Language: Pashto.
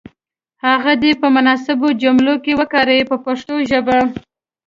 هغه دې په مناسبو جملو کې وکاروي په پښتو ژبه.